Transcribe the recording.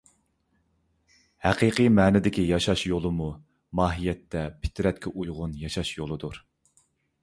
ھەقىقىي مەنىدىكى ياشاش يولىمۇ ماھىيەتتە پىترەتكە ئۇيغۇن ياشاش يولىدۇر.